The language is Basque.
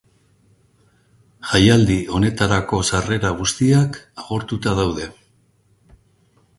Jaialdi honetarako sarrera guztiak agortuta daude.